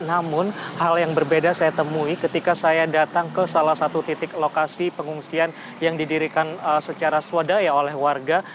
namun hal yang berbeda saya temui ketika saya datang ke salah satu titik lokasi pengungsian yang didirikan secara swadaya oleh warga